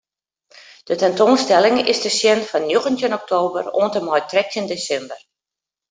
De tentoanstelling is te sjen fan njoggentjin oktober oant en mei trettjin desimber.